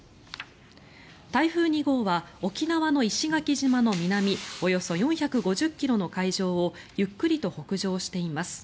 台風２号は沖縄の石垣島の南およそ４５０ｋｍの海上をゆっくりと北上しています。